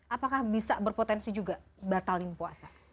apakah bisa berpotensi juga batalin puasa